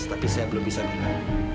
tapi saya belum bisa bilang